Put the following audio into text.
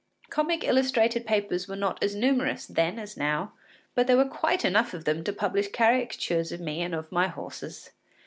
Comic illustrated papers were not as numerous then as now, but there were quite enough of them to publish caricatures of me and of my horses.